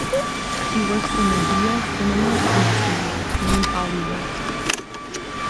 She works in Odia cinema industry named Ollywood.